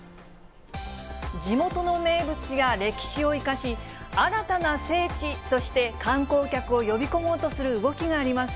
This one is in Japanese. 地元の名物や歴史を生かし、新たな聖地として観光客を呼び込もうとする動きがあります。